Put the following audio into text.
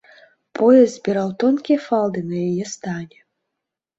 Пояс збіраў тонкія фалды на яе стане.